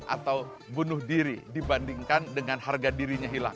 atau bunuh diri dibandingkan dengan harga dirinya hilang